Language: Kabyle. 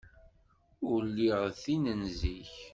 Ur lliɣ d tin n zik.